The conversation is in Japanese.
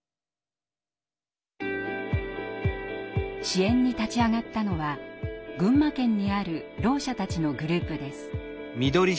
支援に立ち上がったのは群馬県にあるろう者たちのグループです。